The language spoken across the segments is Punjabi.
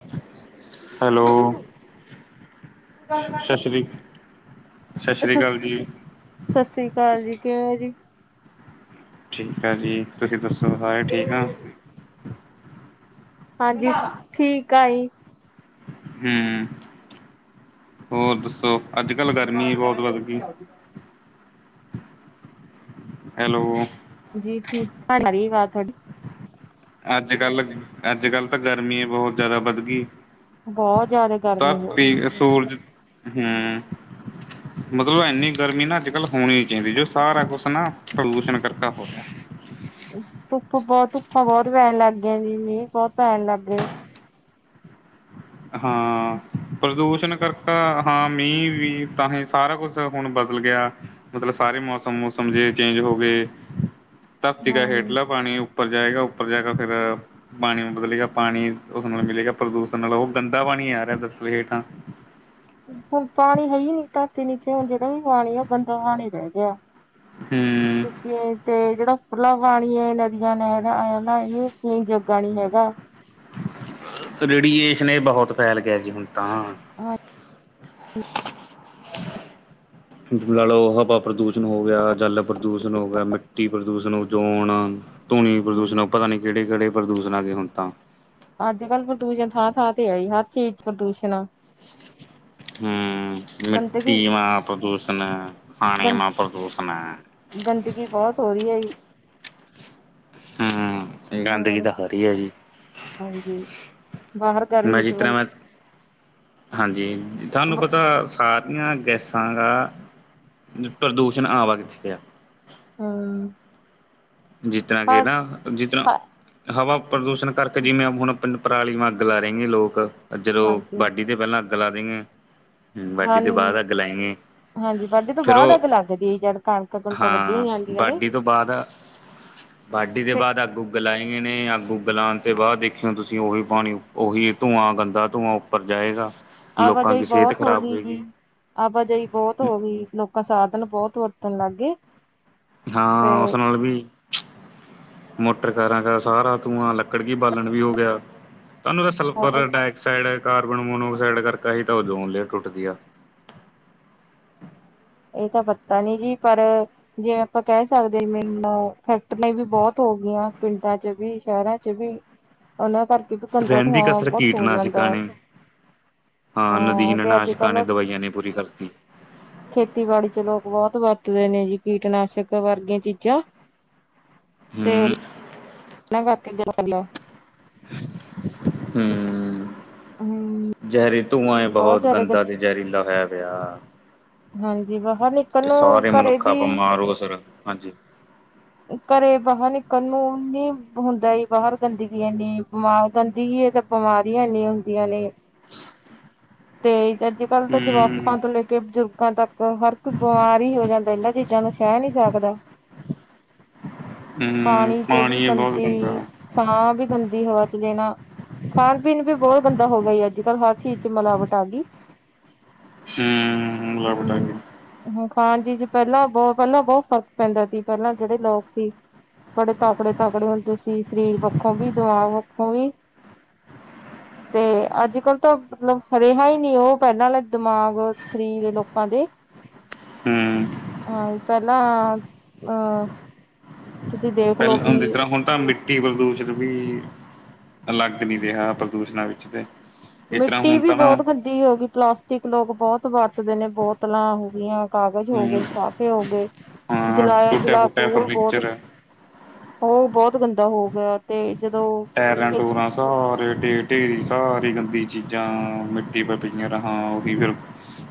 [unintelligible] ਹੈਲੋ ਸ਼ਸ਼ਰੀ ਸਤਿ ਸ਼ਸ਼ਰੀ ਸਤਿ ਕਾਲ ਜੀ। ਕਿਵੇ ਹੋ ਜੀ। ਠੀਕ ਆ ਜੀ ਤੁਸੀਂ ਦੱਸੋ ਸਾਰੇ ਠੀਕ ਓ। ਹਾਂਜੀ ਠੀਕ। ਕਏ ਹਮ ਹੋਰ ਦੱਸੋ ਅੱਜ ਕੱਲ੍ਹ ਗਰਮੀ ਬਹੁਤ ਵੱਧ ਗਈ ਹੈਲੋ ਜੀ ਠੀਕ ਆਜ਼ ਤੁਹਾਡੀ ਅੱਜ ਕੱਲ ਅੱਜ ਕੱਲ੍ਹ ਤਾਂ ਗਰਮੀ ਬਹੁਤ ਜਿਆਦਾ ਵੱਧ ਗਈ ਬਹੁਤ ਜਿਆਦਾ ਗਰਮੀ ਹੋ ਰਹੀ ਹਮ ਮਤਲਬ ਐਨੀ ਗਰਮੀ ਨਾ ਅੱਜ ਕੱਲ੍ਹ ਹੋਣੀ ਚਾਹੀਦੀ ਜੋ ਸਾਰਾ ਕੁਛ ਨਾ ਪ੍ਰਲੂਸ਼ਣ ਕਰਕੇ ਹੋ ਰਿਹਾ ਧੁੱਪ ਬਹੁਤ ਧੁੱਪਾ ਬਹੁਤ ਪੈਣ ਲੱਗ ਗਈ ਜੀੀ ਬਹੁਤ ਪੈਣ ਲੱਗ ਗਏ ਹਾਂ ਪ੍ਰਦੂਸ਼ਣ ਕਰਕਾ ਹਾਂ ਮੀਂਹ ਵੀ ਤਾਂ ਹੀ ਸਾਰਾ ਕੁਛ ਹੁਣ ਬਦਲ ਗਿਆ ਮਤਲਬ ਸਾਰੇ ਮੌਸਮ ਮਸਮ ਜੇ ਚੇਂਜ ਹੋ ਗਏ ਤਾਫਤੀਿਕ ਹਮ ਹੇਡਲਾ ਪਾਣੀ ਉੱਪਰ ਜਾਏਗਾ ਉੱਪਰ ਜਾ ਕੇ ਫਿਰ ਪਾਣੀ ਬਦਲੇਗਾ ਪਾਣੀ ਉਸ ਨਾਲ ਮਿਲੇਗਾ ਪ੍ਰਦੂਸ਼ਣ ਨਾਲ ਉਹ ਗੰਦਾ ਪਾਣੀ ਆਾਰਹਾ ਦੱਸਵੇ ਹੇਠਾਂ ਹੁਣ ਪਾਣੀ ਹੈ ਹੀ ਨੀ ਧਾਤੀ ਨੀਚੇ ਹੁਣ ਜਿਹੜਾ ਵੀ ਪਾਣੀ ਆ ਬੰਦਾ ਪਾਣੀ ਰਹਿ ਗਿਆ ਹੂੰ ਕਿਕ ਤੇ ਜਿਹੜਾ ਉਪਰਲਾ ਪਾਣੀ ਨਦੀਆਂ ਨੇ ਹੈਗਾ ਨਾ ਇਹ ਕਈ ਜੱਗਾ ਨੀ ਹੈਗਾ ਰੇਡੀਏਸ਼ਨ ਇਹ ਬਹੁਤ ਫੈਲ ਗਿਆ ਜੀ ਹੁਣ ਤਾਂ ਲ ਲਓ ਹਵਾ ਪ੍ਰਦੂਸ਼ਣ ਹੋ ਗਿਆ ਜਲ ਪ੍ਰਦੂਸ਼ਣ ਹੋ ਗਿਆ ਮਿੱਟੀ ਪ੍ਰਦੂਸ਼ਣ ਹੋ ਜੋਣ ਧੁਨੀ ਪ੍ਰਦੂਸ਼ਣ ਹੋ ਪਤਾ ਨੀ ਕਿਹੜੇ ਕਿਹੜੇ ਪ੍ਰਦੂਸ਼ਣ ਆ ਗ ਹੁਣ ਤਾਂ ਅੱਜ ਕੱਲ੍ਹ ਪ੍ਰਦੂਸ਼ਣ ਥਾਂ ਥਾਂ ਤੇ ਹੈ ਜ ਹਰ ਚੀਜ਼ ਚ ਪ੍ਰਦੂਸ਼ਣ ਆ ਹਮ ਗੰਦਗੀ ਮਿੱਟੀ ਮਾ ਪ੍ਰਦੂਸ਼ਣ ਖਾਣੇ ਗੰ ਮਾ ਪ੍ਰਦੂਸ਼ਣ ਹੈ ਗੰਦਗੀ ਬਹੁਤ ਹੋ ਰਹੀ ਹੈ ਜੀ। ਹਾਂ ਗੰਦਗੀ ਹੋਰ ਤਾਂ ਹਰੀ ਹੈ ਜੀ ਹਾਂਜੀ, ਬਾਹਰ ਮੈਂ ਗਰਮੀ ਚ ਜਿਸ ਤਰ ਬੰ ਮੈਂ ਹਾਂਜੀ ਤੁਹਾਨੂੰ ਬ ਪਤਾ ਖਾਹ ਦੀਆਂ ਗੈਸਾਂ ਦਾ ਪ੍ਰਦੂਸ਼ਣ ਆਵਾ ਕਿੱਥੇਿਆ ਹਾਂ ਜਿਸ ਤਰ੍ਹਾਂ ਕਿ ਨਾ ਜਿਸ ਤਰ੍ਹਾਂ ਹਾਂ। ਹਵਾ ਪ੍ਰਦੂਸ਼ਣ ਕਰਕੇ ਜਿਵੇਂ ਹੁਣ ਪਿੰਡ ਪਰਾਲੀ ਅੱਗ ਲਾ ਰਹੇ ਨੇ ਲੋਕ ਜਦੋਂ ਹਾਂਜੀ। ਬਾਾਡੀੀ ' ਪਹਿਲਾਂ ਗਲਾ ਦੀਆਂ ਹਾਂ ਹਾਂਜੀ ਵਡੇ ਤੋਂ ਫਿਰ ਬਾਅਦ ਅੱਗ ਉਹ ਲੱਗਦੀ ਜਦ ਕਣਕਾਂ ਕਣਕਾਂ ਵੱਢੀਆਂ ਜਾਂਦੀਆਂ ਨੇ ਵਾਢੀ ਦੇ ਤੇ ਬਾਅਦ ਅੱਗ ਉੱਗ ਲਏ ਨੇ ਅੱਗ ਉੱਗ ਲਉਣ ਤੇ ਬਾਅਦ ਦੇਖਿਓ ਤੁਸੀਂ ਉਹੀ ਪਾਣੀ ਉਹੀ ਧੂੰਆਂ ਗੰਦਾ ਧੂੰਆਂ ਉੱਪਰ ਜਾਏਗਾ ਲੋਕਾਂ ਆਵਾਜਾਈ ਦੀ ਸਿਹਤ ਬਹੁਤ ਹੋ ਖ਼ਰਾਬ ਗਈ ਜੀ ਹੋਏਗੀ ਆਵਾਜਾਈ ਬਹੁਤ ਹੋ ਗਈ ਲੋਕਾਂ ਸਾਧਨ ਬਹੁਤ ਤੁਰਤਣ ਲੱਗ ਗਏ ਤੇ ਹਾਂ ਉਸ ਨਾਲ ਵੀ ਮੋਟਰਕਾਰਾਂ ਕਰ ਸਾਰਾ ਧੂੰਆਂ ਲੱਕੜ ਕੀ ਬਾਲਣ ਵੀ ਹੋ ਗਿਆ ਸਾਨੂੰ ਤਾਂ ਹੋਰ ਸਲਫਰ ਡਾਇਆਕਸਾਈਡ ਕਾਰਬਨ ਮੋਨੋਆਕਸਾਈਡ ਕਰਕੇ ਹੀ ਉਦੋਂ ਲਿਆ ਟੁੱਟਦੀ ਆ ਇਹ ਤਾਂ ਪਤਾ ਨੀ ਜੀ ਪਰ ਜਿਵੇਂ ਆਪਾਂ ਕਹਿ ਸਕਦੇ ਮੈਨੂੰ ਫੈਕਟਰੀਆਂ ਵੀ ਬਹੁਤ ਹੋ ਗਈਆਂ ਪਿੰਡਾਂ ਚ ਵੀ ਸ਼ਹਿਰਾਂ ਚ ਵੀ ਉਹਨਾਂ ਕਰ ਰਹਿੰਦੀ ਕਸਰ ਕੀਟਨਾਸ਼ਕਾਂਣੀ ਹਾਂ ਤੇ ਅੱਜ ਕੱਲ ਨੇ ਪੂਰੀ ਕਰਤੀ ਖੇਤੀਬਾੜੀ ਚ ਲੋਕ ਬਹੁਤ ਵ ਦੇ ਨੇ ਜੀ ਕੀਟਨਾਸ਼ਕ ਵਰਗੀਆਂ ਚੀਜ਼ਾਂ ਹੂੰ ਤੇਕੇ ਮਸਲੋ ਹਮ ਹਮ ਜ਼ਹਿਰੀ ਧੂੰਆਂ ਬਹੁਤ ਗੰਦਾ ਤੇ ਜ਼ਹਿਰੀਲਾ ਹੈਰ ਅ ਆ ਹਾਂਜੀ ਵਾਹ ਇਹ ਸਾਰੇ ਮਨੁੱਖ ਆਪਾਂ ਮਾਰੋ ਸਰ ਹਾਂਜੀ ਘਰੇ ਬਾਹਰ ਨਿਕਲ ਨੂੰ ਨ ਹੁੰਦਾ ਬਾਹਰ ਗੰਦਗੀ ਇਨੀ ਬਿਮਾਰ ਗੰਦਗੀ ਹੈ ਤਾਂ ਬਿਮਾਰੀਆਂ ਇਨੀ ਹੁੰਦੀਆਂ ਨੇ ਤੇ ਤੇ ਅੱਜ ਕੱਲ ਤਾਂ ਹੂੰ ਜਵਾਕਾਂ ਤੋਂ ਲੈ ਕੇ ਬਜ਼ੁਰਗ ਤਾਂ ਹਰ ਕੋਈ ਬਿਮਾਰ ਹੀ ਹੋ ਜਾਂਦਾ ਇਹਨਾਂ ਚੀਜ਼ਾਂ ਨੂੰ ਸਹਿ ਨਹੀਂੀ ਸਕਦਾ ਹੂੰ ਪਾਣੀ ਚ ਵੀ ਏ ਬਹੁਤ ਗੰਦੀ ਗੰਦਾ ਸਾਹ ਵੀ ਗੰਦੀ ਹਵਾ ਚ ਦੇਣਾ ਖਾਣ ਪੀਣ ਵੀ ਬਹੁਤ ਗੰਦਾ ਹੋ ਗਈ ਅੱਜ ਕੱਲ੍ਹ ਹਰ ਚੀਜ਼ ਚ ਮਿਲਾਵਟ ਆ ਗਈ ਹਮ ਲ ਬਟਾ ਕੇ ਹਾਂਜੀੀ ਜ ਪਹਿਲਾਂ ਬਹੁਤ ਪਹਿਲਾਂ ਬਹੁਤ ਫ਼ਰਕ ਪੈਂਦਾ ਸੀ ਪਹਿਲਾਂ ਜਿਹੜੇ ਲੋਕ ਸੀ ਬੜੇ ਤਾਕੜੇ ਤਾਕੜੇ ਹੁੰਦੇ ਸੀ ਸਰੀਰ ਪੱਖੋਂ ਵੀ ਦਿਮਾਗ ਪੱਖੋਂ ਵੀ ਤੇ ਅੱਜ ਕੱਲ੍ਹ ਤਾਂ ਮਤਲਬ ਰਿਹਾ ਹੀ ਨਹੀਂੀ ਉਹ ਪਹਿਲਾਂ ਦਿਮਾਗ ਫਰੀ ਦੇ ਲੋਕਾਂ ਦੇ ਹਹ ਇਪਲਾਾਂ ਹਾਂ ਤੁਸੀਂ ਦੇਖਲੋ ਪਹਿਲ ਜਿਸ ਵੀ ਤਰ੍ਹਾਂ ਹੁਣ ਤਾਂ ਮਿੱ ਰਟੀ ਪ੍ਰਦੂਸ਼ਿਤ ਵੀ ਅਲੱਗ ਨਹੀਂੀ ਰਿਹਾ ਪ੍ਰਦੂਸ਼ਣ ਵਿੱਚ ੱ ਤੇ ਇਸ ਤਰ੍ਹਾਂ ਮਿੱਟੀ ਹੁਣ ਵੀ ਤਾਂ ਨਾ ਬਹੁਤ ਗੰਦੀ ਹੋ ਗਈ ਪਲਾਸਟਿਕ ਲੋਕ ਬਹੁਤ ਵਰ, ਦੇ ਨੇ ਬੋਤਲਾਂ ਹੋਗੀਆਂ। ਕਾਗਜ਼ ਹੋ ਹਮ ਗਏ, ਲਿਫਾਫੇ ਹੋ ਗਏ, ਹਾਂ ਜਲਾਇਆ ਟੁੱਟਿਆ ਜਲਾ ਕੇ ਫੁੱਟਿਆ ਉਹ ਬਹੁਤ, ਉਹ ਫਰਨੀਚਰ ਬਹੁਤ ਬਹੁਤ ਗੰਦਾ ਹੋ ਗਿਆ, ਤੇ ਜਦੋਂ ਟੈਰਾਂ ਟੁਰਾਂ ਸਾਰੇ, ਢੇਰ ਢੇਰੀ ਸਾਰੀ ਗੰਦੀ ਚੀਜ਼ਾਂ, ਮਿੱਟੀ ਪਰ ਪਈਆਂ ਰਹਾਂ, ਉਹੀ ਫਿਰ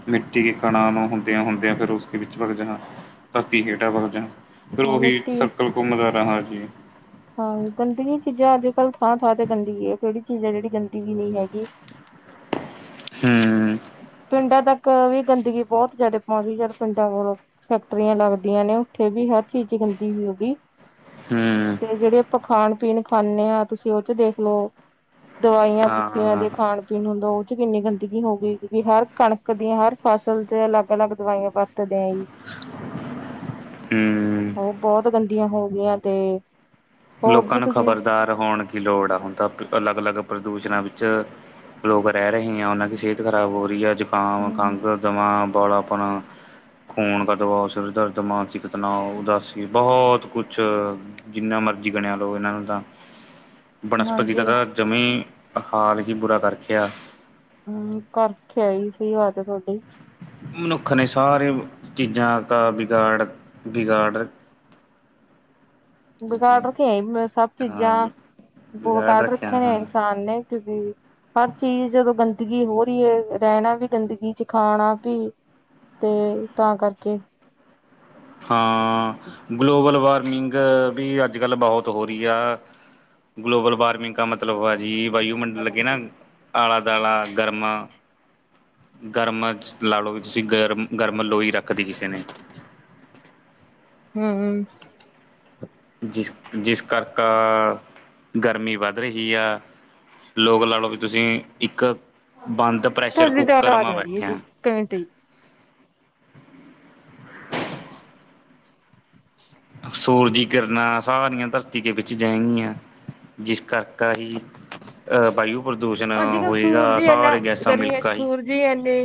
ਮਿੱਟੀ ਕੇ ਕਣਾਂ ਨੂੰ ਹੁੰਦਿਆਂ-ਹੁੰਦਿਆਂ ਫਿਰ ਉਸਦੇ ਵਿੱਚ ਭਗ ਜਾ ਧਰਤੀ ਕੇ ਹੇਠਾਂ ਭਗ ਜਾ, ਫੇਰ ਹਾਂ ਓਹੀ ਮਿੱਟੀ ਸਰਕਲ ਘੁੰਮਦਾ ਰਹਾ। ਜੀ, ਥਾਂ-ਥਾਂ ਤੇ ਗੰਦਗੀ ਏ, ਕਿਹੜੀ ਚੀਜ਼ ਹੈ ਜਿਹੜੀ ਗੰਦਗੀ ਨੀ ਹੈਗੀ। ਹੂੰ, ਪਿੰਡਾਂ ਤੱਕ ਵੀ ਗੰਦਗੀ ਬਹੁਤ ਜਿਆਦਾ ਭਾ ਜਦ ਪਿੰਡਾਂ ਕੋਲੋਂ ਫੈਕਟਰੀਆਂ ਲੱਗਦੀਆਂ ਨੇ ਉੱਥੇ ਵੀ ਹਰ ਚੀਜ਼ ਗੰਦੀ ਹੋ ਹੋਗੀ। ਹੂੰ ਤੇ ਜਿਹੜੇ ਪਖਾਣ ਪੀਣ ਖਾਦੇ ਹਾਂ ਤੁਸੀਂ ਉਸ ਚ ਦੇਖਲੋ, ਦਵਾਈਆਂ-ਬੂੱਟੀਆਂ ਹਾਂ ਦੇ ਖਾਣ ਪੀਣ ਹੁੰਦਾ ਕਿੰਨੇ ਗੰਦੇ ਹੋ ਗਈ, ਹਰ ਕਣਕ ਦੀਆਂ ਹਰ ਫਸਲ ਦੇ ਅਲੱਗ-ਅਲੱਗ ਦਵਾਈਆਂ ਪਾ ਓਹ ਤੇ ਹੈ ਹੀ, ਹੂੰ ਬਹੁਤ ਗੰ ਆਂ ਹੋ ਗਈਆਂ ਤੇ, ਹੋਰ ਲੋਕਾਂ ਵੀ ਨੂੰ ਤੁਸੀਂ ਖ਼ਬਰਦਾਰ ਹੋਣ ਕੀ ਲੋੜ ਆ ਹੁੰਣ ਤਾਂ ਅਲੱਗ- ਅਲੱਗ, ਪ੍ਰਦੂਸ਼ਣਾਂ ਵਿੱਚ ਲੋਕ ਰਹਿ ਰਹੇ ਆ, ਉਹਨਾਂ ਦੀ ਸਿਹਤ ਖਰਾਬ ਹੋ ਰਹੀ ਹੈ, ਅੱਜ ਤਾਵ ਹਮ ਕੰਤ ਦਮਾਮ, ਵਾਲਾ ਆਪਣਾ ਖੂਨ ਕਾ ਦਬਾਓ, ਸਿਰ ਦਰਦ, ਮਾਨਸਿਕ ਤਣਾਅ, ਉਦਾਸੀ ਬਹੁਤ ਕੁਛ, ਜਿੰਨਾ ਮਰਜ਼ੀ ਸਬਜ਼ੀ ਬਣਾ ਲਓ ਇਹਨਾਂ ਨੂੰ ਤਾਂ, ਬਨਸਪਤੀ ਹਾਂਜੀ ਤਥਾ ਜਮੀਂ, ਹਾਲ ਕੀ ਬੁਰਾ ਕਰ ਰੱਖਿਆ? ਹੂੰ ਕਰ ਰੱਖਿਆ ਈ ਸੀ ਤੁਹਾਡੀ? ਮਨੁੱਖ ਨੇ ਸਾਰੇ ਚੀਜ਼ਾਂ ਦਾ ਵਿਗਾੜ, ਵਿਗਾੜ ਵਿਗਾੜ ਰੱਖਿਆ ਈ ਮੈਂ ਸਭ ਹਾਂ ਚੀਜ਼ਾਂ ਬਹੋ ਵਿਗਾੜ ਕੱਢ ਰੱਖਿਆ ਰੱਖੇ ਨੇ ਹਾਂ। ਇਨਸਾਨ ਨੇ। ਕ ਹਰ ਚੀਜ਼ ਜਦੋਂ ਗੰਦਗੀ ਹੋ ਰਹੀ ਏ, ਰਹਿਣਾ ਵੀ ਗੰਦਗੀ ਚ, ਖਾਣਾ ਵੀ, ਤੇ ਤਾਂ ਕਰਕੇ ਹਾਂ, ਮ ਗਲੋਬਲ ਵਾਰਮਿੰਗ ਵੀ ਅੱਜ ਕੱਲ ਬਹੁਤ ਹੋ ਰਹੀ ਆ, ਗਲੋਬਲ ਵਾਰਮਿੰਗ ਕਾ ਮਤਲਬ ਐ। ਜੀ ਵਾਯੂਮੰਡਲ ਕੇ ਨਾ ਆਲਾ ਦਾਲਾ ਗਰਮ ਗਰਮ ਲਾ ਲਓ ਵੀ ਤੁਸੀਂ ਗਰਮ, ਗਰਮ ਲੋਈ ਰੱਖਦੀ ਕਿਸੇ ਨੇ ਹਮਮ ਜਿਸਿਸ ਜਿਸ ਕਰਕੇ ਗਰਮੀ ਵੱਧ ਰਹੀ ਆ ਲੋਕ ਲਾ ਲਓ ਵੀ ਤੁਸੀਂ ਇੱਕ ਬੰਦ ਪ੍ਰੈਸ਼ਰ ਕੁੱਕਰ ਮਾ ਬੈਠੇ ਆ [inaudible] [inaudible] ਸੂਰਜੀ ਕਿਰਨਾਂਾਂ ਸਾਰੀਆਂ ਧਰਤੀ ਦੇ ਵਿੱਚ ਜਾਏਗੀਆਂ ਜਿਸ ਕਰਕੇ ਹੀ ਅਹ ਵਯੂ ਹਾਂਜੀ ਕੋ ਸੂਰਜ ਹੀ ਇਨਾ ਗਰਮੀਆਂ ਚ ਸੂਰਜ ਹੀ ਇਨੇ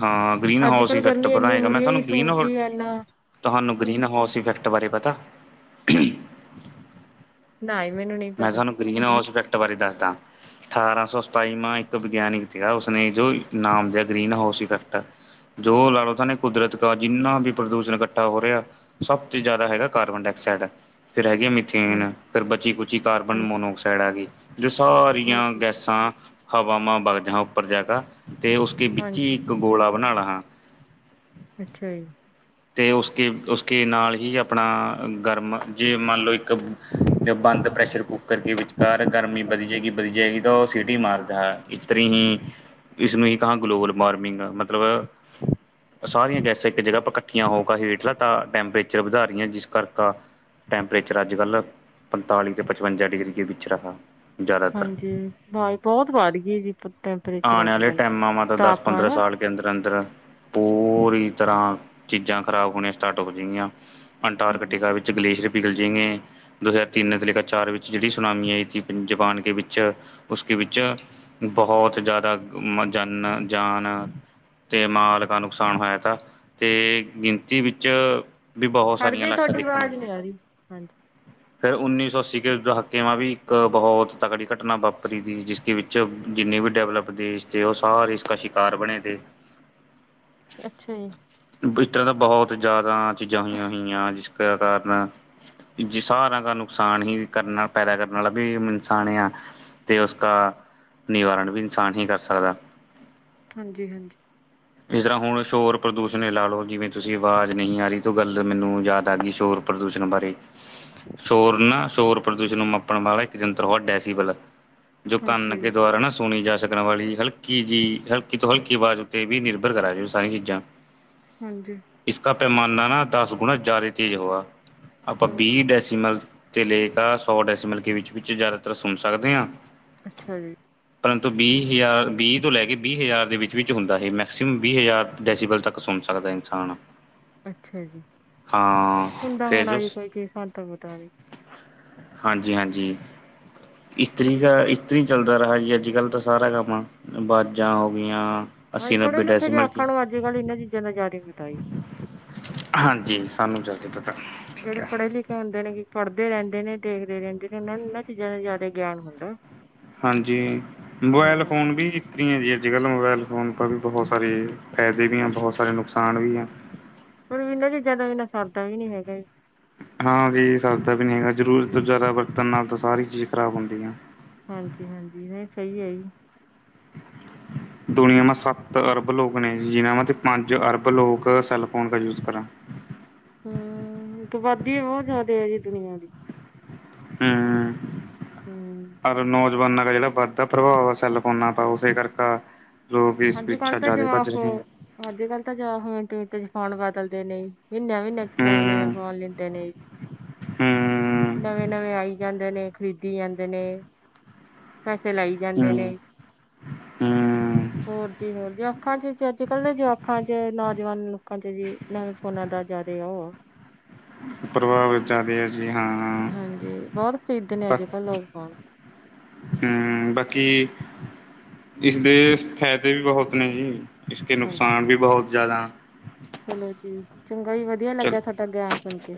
ਹਾਂ ਗ੍ਰੀਨ ਅੱਜ ਹਾਊਸ ਕੱਲ੍ਹ ਇਫੈਕਟ ਗਰਮੀ ਇੰਨੀ ਬਣਾਏਗਾ ਹੋ ਮੈਂ ਰਹੀ ਹੈ ਤੁਹਾਨੂੰ ਗ੍ਰੀਨ ਸੂਰਜ ਹਾ ਹੀ ਇੰਨਾ ਤੁਹਾਨੂੰ [inaudible] ਗ੍ਰੀਨ ਹਾਊਸ ਇਫੈਕਟ ਬਾਰੇ ਪਤਾ ਨਾ ਹੀ ਮੈਨੂੰ ਨਹੀਂ ਮੈਂ ਪਤਾ ਤੁਹਾਨੂੰ ਗ੍ਰੀਨ ਬਸ ਹਾਊਸ ਜੈਕਟ ਬਾਰੇ ਦੱਸ ਅਠਾਰਾਂ ਸੌ ਸਤਾਈਵਾਂ ਇੱਕ ਵਿਗਿਆਨਿਕ ਸੀਗਾ ਉਸਨੇ ਜੋ ਨਾਮ ਗ੍ਰੀਨ ਹਾਊਸ ਇਫੈਕਟ ਜੋ ਲਾ ਲਓੇ ਕੁਦਰਤ ਜਿੰਨਾ ਵੀ ਪ੍ਰਦੂਸ਼ਣ ਇਕੱਠਾ ਹੋ ਰਿਹਾ ਸਭ ਤੋਂ ਜ਼ਿਆਦਾ ਹੈਗਾ ਕਾਰਬਨ ਡਾਇਆਕਸਾਈਡ ਫੇਰ ਹੈਗੇ ਮਿਥੇਨ ਹਾਂਜੀ ਫਿਰ ਬਚੀ ਕੁਛ ਕਾਰਬਨ ਹਾਂਜੀ ਮੋਨੋਕਸਾਈਡ ਹੈ ਜੋ ਸਾਰੀਆਂ ਹਾਂਜੀ ਗੈਸਾਂ ਹਵਾਾਮਾਂ ਬਾਗ ਜਾਂ ਉੱਪਰ ਜਾ ਕੇ ਤੇ ਉਸਕੇ ਵਿੱਚ ਹੀ ਹਾਂਜੀ ਇੱਕ ਗੋਲਾ ਬਣਾ ਲਾ ਹਾਂ ਅੱਛਾ ਜੀ ਤੇ ਉਸਕੇ ਉਸਕੇ ਨਾਲ ਹੀ ਆਪਣਾ ਗਰਮ ਜੇ ਮੰਨ ਲਓ ਬੰਦ ਪ੍ਰੈਸ਼ਰ ਕੁੱਕਰ ਕੇ ਵਿਚਕਾਰ ਗਰਮੀ ਵਧੀ ਜਾਏਗੀ ਵਧੀ ਜਾਏਗੀ ਤਾਂ ਉਹ ਸਿਟੀ ਮਾਰਦਾ ਹੈ ਇਸ ਤਰੀ੍ਹਾਂ ਹੀ ਇਸਨੂੰ ਹੀ ਕਾਂ ਗਲੋਬਲ ਵਾਰਮਿੰਗ ਮਤਲਬ ਸਾਰੀਆਂ ਗੈਸਾਂ ਇੱਕ ਜਗ੍ਹਾ ਇਕਠੀਆਂ ਹੋਗਾ ਹੇਠਲਾ ਤਾਂ ਟੈਂਪਰੇਚਰ ਵਧਾ ਰਹੀਆਂ ਜਿਸ ਕਰਕਾ ਟੈਂਪਰੇਚਰ ਅੱਜ ਕੱਲ੍ਹ ਪੰਤਾਲੀ ਅਤੇ ਪਚਵੰਜਾ ਡਿਗਰੀ ਦੇ ਵਿੱਚ ਰਿਹਾ ਹਾਂਜੀ ਆਵਾਜ਼ ਬਹੁਤ ਵੱਧ ਗਈ ਜੀ ਟੈਂਪਰੇਚਰ ਆਉਣ ਅੱਜ ਵਾਲੇ ਕੱਲ ਟਾਈਮਾਂ ਮ ਤਾਂ ਦਸ ਤਾਪਮਾਨ ਪੰਦਰਾਂ ਆ ਸਾਲ ਕੇ ਅੰਦਰ ਅੰਦਰ ਪੂਰੀ ਤਰ੍ਹਾਂ ਚੀਜ਼ਾਂ ਖਰਾਬ ਹੋਣੀਆਂ ਸਟਾਰਟ ਹੋਜਿੰਗਿਆ ਹਮ ਅੰਟਾਰਕਟੀਕਾ ਵਿੱਚ ਗਲੇਸ਼ੀਅਰ ਵਿਿਗਲ ਜਾਏਏ ਦੋ ਹਜ਼ਾਰ ਤਿੰਨ ਤੇ ਲਖ ਚਾਰ ਵਿੱਚ ਜਿਹੜੀ ਸੁਨਾਮੀ ਆਈ ਤੀ ਜਪਾਨ ਕੇ ਵਿੱਚ ਉਸ ਵਿੱਚ ਬਹੁਤ ਜ਼ਿਆਦਾ ਜਾਨ ਜਾਨ ਤੇ ਮਾਲ ਕ ਨੁਕਸਾਨ ਹੋਇਆ ਤਾ ਅਤੇ ਗਿਣਤੀ ਵਿੱਚ ਵੀ ਬਹੁਤ ਖੜ ਸਾਰੀਆਂ ਜੇ ਲਾਸ਼ਾਂ ਤੁਹਾਡੀ ਦੇਖਣ ਨੂੰ ਆਵਾਜ਼ ਮਿਲਆਂ ਨੀ ਆ ਰਹੀ ਹਾਂਜੀ ਫੇਿਰ ਉੱਨੀ ਸੌ ਅੱਸੀ ਕੇ ਦ ਕਿਵਾਂ ਵੀ ਇੱਕ ਬਹੁਤ ਤਗੜੀ ਘਟਨਾ ਵਾਪਰੀ ਤ ਜਿਸ ਦੇ ਵਿੱਚ ਜਿੰਨੇ ਵੀ ਡਿਵਲਪ ਦੇਸ਼ ਤੇ ਉਹ ਸਾਰੇ ਇਸ ਕ ਸ਼ਿਕਾਰ ਬਣੇ ਤੇ ਅੱਛਾ ਜੀ ਇਸ ਤਰ੍ਹਾਂ ਦਾ ਬਹੁਤ ਜ਼ਿਆਦਾ ਚੀਜ਼ਾਂ ਹੋਈਆਂ-ਹੋਈਆਂ ਜਿਸ ਕਾਰਨ ਜ ਸਾਰਿਆਂ ਦਾ ਨੁਕਸਾਨ ਹੀ ਕਰਨਾ ਪੈਦਾ ਕਰਨ ਵਾਲਾ ਵੀ ਇਨਸਾਨ ਆ ਅਤੇ ਉਸਕਾ ਨਿਵਾਰਨ ਵੀ ਇਨਸਾਨ ਹੀ ਕਰ ਸਕਦਾ ਹਾਂਜੀ-ਹਾਂਜੀ ਜਿਸ ਤਰ੍ਹਾਂ ਹੁਣ ਸ਼ੋਰ ਪ੍ਰਦੂਸ਼ਣ ਲਾ ਲਓ ਜਿਵੇਂ ਤੁਸੀਂ ਆਵਾਜ਼ ਨਹੀਂ ਆ ਰਹੀ ਗੱਲ ਮੈਨੂੰ ਯਾਦ ਆ ਗਈ ਸ਼ੋਰ ਪ੍ਰਦੂਸ਼ਣ ਬਾਰੇ ਸ਼ੋਰ ਨਾ ਸ਼ੋਰ ਪ੍ਰਦੂਸ਼ਣ ਨੂੰ ਮਾਪਣ ਵਾਲਾ ਇੱਕ ਜੰਤਰ ਤਡਾ ਸੀ ਵਲ ਜੋ ਤਨ ਅੱਛਾ ਕੇ ਜੀ ਦੁਆਰਾ ਨਾ ਸੁਣੀ ਜਾ ਸਕਣ ਵਾਲੀ ਹਲਕੀ ਜਿਹੀ ਹਲਕੀ ਤੋਂ ਹਲਕੀ ਆਵਾਜ਼ ਉੱਤੇ ਵੀ ਨਿਰਭਰ ਕਰਾ ਜਾ ਸਾਰੀਆਂ ਚੀਜ਼ਾਂ ਹਾਂਜੀ ਕਾ ਪੈਮਾਨਾ ਨਾ ਦਸ ਗੁਣਾ ਜ਼ਿਆਦਾ ਤੇਜ ਹੋਆ ਆਪਾਂ ਹਮ ਬੀ ਡੈਸੀ ਮਲ ਤੇ ਲੇਕ ਸੌ ਡਸਲ ਕੇ ਵਿੱਚ ਵਿੱਚ ਜ਼ਿਆਦਾਤਰ ਸੁਣ ਸਕਦੇ ਹਾਂ। ਅੱਛਾ ਜੀ। ਪਰੰਤੂ ਵੀਹ ਹਜ਼ਾਰ ਵੀਹ ਤੋਂ ਲੈ ਕੇ ਵੀਹ ਹਜ਼ਾਰ ਦੇ ਵਿੱਚ ਵਿੱਚ ਹੁੰਦਾ ਹੈ ਮੈਕਸੀਮਮ ਵੀਹ ਹਜ਼ਾਰ ਡੈਸੀਬਲ ਤੱਕ ਸੁਣ ਸਕਦਾ ਇਨਸਾਨ। ਅੱਛਾ ਜੀ ਹਾਂ ਹੁੰਦਾ ਫਿਰ ਹੋਣਾ ਜੋ ਜੀ ਕੋਈ ਚੀਜ਼ ਸਾਨੂੰ ਤਾਂ ਪਤਾ ਨੀ ਹਾਂਜੀ ਹਾਂਜੀ। ਇਸਤਰੀ ਦਾ ਇਸਤਰੀ ਚੱਲਦਾ ਰਿਹਾ ਜੀ ਅੱਜ ਕੱਲ੍ਹ ਤਾਂ ਸਾਰਾ ਕੰਮ ਆ ਬਾਜਾਂ ਹੋ ਗਈਆਂ ਅ ਅੱਸੀ ਪੜ੍ਹੇ ਨੱਬੇ ਲਿਖੇ ਚ ਡੈਸੀਮਲ ਕੀ ਆਖਣ ਲ ਅੱਜ ਕੱਲ ਇਹਨਾਂ ਚੀਜ਼ਾਂ ਦਾ ਜ਼ਿਆਦਾ ਬਤਾਈ ਹਾਂਜੀ ਸਾਨੂੰ ਜ਼ਿਆਦਾ ਪਤਾ ਠੀਕ ਜਿਹੜੇ ਹੈ ਪੜ੍ਹੇ ਲਿਖੇ ਹੁੰਦੇ ਨੇ ਕਿ ਪੜ੍ਹਦੇ ਰਹਿੰਦੇ ਦੇ ਨੇ ਦੇਖਦੇ ਰਹਿੰਦੇ ਨੇ ਉਹਨਾਂ ਨੂੰ ਇਹਨਾਂ ਚੀਜ਼ਾਂ ਦਾ ਜ਼ਿਆਦਾ ਗਿਆਨ ਹੁੰਦਾ ਹਾਂਜੀ ਮੋਬਾਇਲ ਹਾਂ ਫੋਨ ਵੀ ਰੀਆਂ ਅੱਜ ਕੱਲ੍ਹ ਮੋਬਾਇਲ ਫੋਨ ਵੀ ਬਹੁਤ ਸਾਰੇ ਫਾਇਦੇ ਵੀ ਆ ਬਹੁਤ ਸਾਰੇ ਨੁਕਸਾਨ ਵੀ ਆ। ਪਰ ਇਹਨਾਂ ਚੀਜ਼ਾਂ ਤੋਂ ਬਿਨਾਂ ਸਰਦਾ ਵੀ ਨੀ ਹੈਗਾ। ਹਾਂ ਜੀ ਸਰਦਾ ਵੀ ਨਹੀਂ ਹੈਗਾ ਜ਼ਰੂਰ ਤੋਂ ਜ਼ਿਆਦਾ ਬਰਤਣ ਨਾਲ ਸਾਰੀ ਚੀਜ਼ ਖ਼ਰਾਬ ਹੁੰਦੀ ਆ। ਹਾਂਜੀ ਹਾਂਜੀ ਇਹ ਸਹੀ ਹੈ ਜੀ। ਦੁਨੀਆਂ ਮੇ ਸੱਤ ਅਰਬ ਲੋਕ ਨੇ ਜਿਨ੍ਹਾਂ ਮ ਪੰਜ ਅਰਬ ਲੋਕ ਸੈੱਲਫੋਨ ਦਾ ਯੂਜ ਕਰਾਂ ਆਬਾਦੀ ਬਹੁਤ ਜ਼ਿਆਦਾ ਆ ਜੀ ਦੁਨੀਆਂ ਦੀ ਹੂੰ ਹਮ ਅਰਨੋਜ ਜਮਾਨਾਂ ਦਾ ਜਿਹੜਾ ਵੱਧਦਾ ਪ੍ਰਭਾਵ ਆ ਸੈਲਫੋਨਾਂ ਦਾ ਉਸੇ ਕਰਕੇ ਲੋਕ ਇਸ ਅੱਜ ਕਲ ਪਿੱਛਾ ਤਾਂ ਜ਼ਿਆਦਾ ਭੱਜ ਜਵਾਕ ਹੋ ਰਹੇ ਹੈ ਅੱਜ ਕਲ੍ਹ ਤਾਂ ਜਵਾਕ ਹੋ ਮਿੰਟ ਮਿੰਟ ਚ ਫ਼ੋਨ ਵਾਸਤੇ ਨਿਕਲਦੇ ਨੀ। ਨਵੇਂ ਨਵੇਂ ਨਵੇਂ ਹਮ ਫੋਨ ਲੈਂਦੇ ਨੇ ਹਮ ਨਵੇਂ ਨਵੇਂ ਆਈ ਜਾਂਦੇ ਨੇ। ਖਰੀਦੀ ਜਾਂਦੇ ਨੇ। ਪੈਸੇ ਲਾਈ ਜਾਂਦੇ ਨੇ। ਹਮ ਹਮ ਹੋਰ ਜੀ ਹੋਰ ਜ ਅੱਖਾਂ ਚ ਅੱਜ ਕੱਲ ਦੇ ਜਵਾਕਾ ਚ ਨਾ ਜੀਵਾਨ ਨੂੰ ਲੋਕਾਂ ਚ ਜੀ ਨਵੇਂ ਫੋਨਾ ਦਾ ਜ਼ਿਆਦੇ ਆ ਉਹ [inaudible] ਜੀ ਹਾਂ-ਹ ਹਾਂਜੀ ਬਹੁਤ ਖਰੀਦਦੇ ਨੇ ਅੱਜ ਕੱਲ ਲੋਕ ਫੋਨ ਬਾਕੀ ਇਸਦੇ ਫਾਇਦੇ ਵੀ ਬਹੁਤ ਨੇ ਜੀ ਇਸ ਕੇ ਹਾਂਜੀ ਨੁਕਸਾਨ ਵੀ ਬਹੁਤ [inaudible] ਚਲੋ ਜੀ ਚੰਗਾ ਜੀ ਵਧੀਆ ਚਲ ਲੱਗਿਆ ਤੁਹਾਡਾ ਗਿਆਨ ਸੁਣ ਕੇ